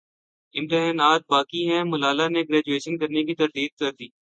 امتحانات باقی ہیں ملالہ نے گریجویشن کرنے کی تردید کردی